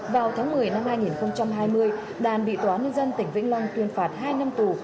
vào tháng một mươi năm hai nghìn hai mươi đàn bị tòa nhân dân tỉnh vĩnh long tuyên phạt hai năm tù